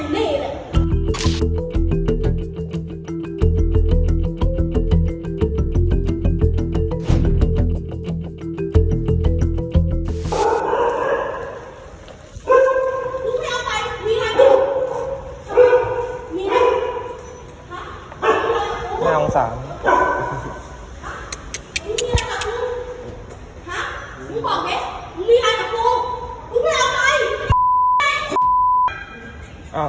ไม่คิดหรอกคิดข้ามาเนี่ย